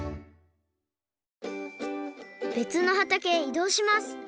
べつのはたけへいどうします